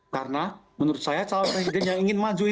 karena menurut saya cawapresiden yang ingin maju